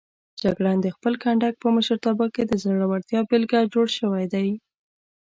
جګړن د خپل کنډک په مشرتابه کې د زړورتیا بېلګه جوړ شوی دی.